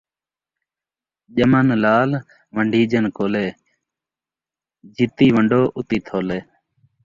ڄمن لعل ، ون٘ڈیجن کولے ، جِتی ون٘ڈو اُتی تھولے